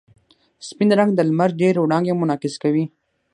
سپین رنګ د لمر ډېرې وړانګې منعکس کوي.